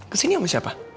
ke sini sama siapa